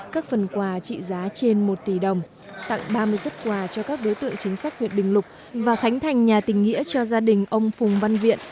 các phần quà trị giá trên một tỷ đồng tặng ba mươi xuất quà cho các đối tượng chính sách huyện bình lục và khánh thành nhà tình nghĩa cho gia đình ông phùng văn viện